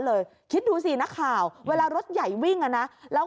เลยคิดดูสินักข่าวเวลารถใหญ่วิ่งอ่ะนะแล้ว